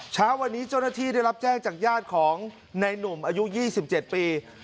เช้าวันนี้เจ้าหน้าที่ได้รับแจ้งจากญาติของในหนุ่มอายุ๒๗ปี